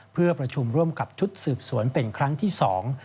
เพื่อประชุมร่วมกับชุดสืบสวนเป็นครั้งที่สอง